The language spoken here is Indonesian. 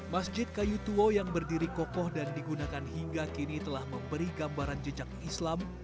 masjid kayu tua yang berdiri kokoh dan digunakan hingga kini telah memberi gambaran jejak islam